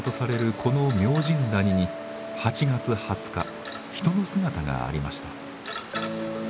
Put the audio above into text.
この明神谷に８月２０日人の姿がありました。